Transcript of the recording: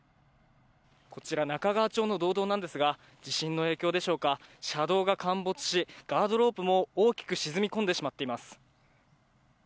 こちら中川町の道道なんですが地震の影響でしょうか、車道が陥没し、ガードロープも大きく沈み込んでしまっています。